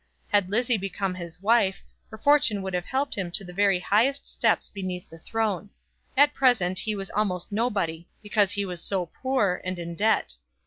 Had Lizzie become his wife, her fortune would have helped him to the very highest steps beneath the throne. At present he was almost nobody; because he was so poor, and in debt.